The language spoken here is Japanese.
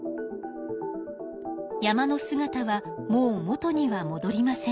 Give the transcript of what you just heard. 山のすがたはもう元にはもどりません。